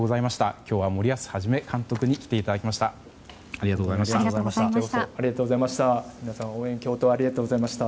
今日は森保一監督に来ていただきました。